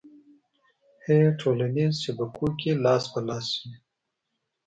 ه ټولنیزو شبکو کې لاس په لاس شوې